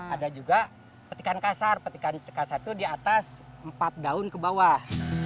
ada juga pemetikan kasar pemetikan kasar itu diatas empat daun kebawah